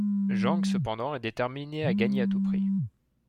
Jang, cependant, est déterminé à gagner à tout prix.